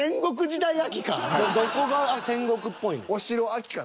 どこが戦国っぽい？